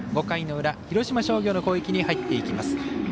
５回の裏、広島商業の攻撃に入っていきます。